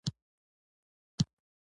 نور د معنوي ژغورنې تمه نه پاتې کېږي.